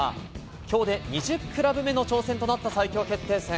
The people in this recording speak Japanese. きょうで２０クラブ目の挑戦となった最強決定戦。